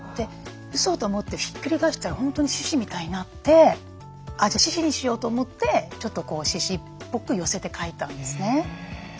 うそ？と思ってひっくり返したら本当に獅子みたいになってじゃあ獅子にしようと思ってちょっと獅子っぽく寄せて描いたんですね。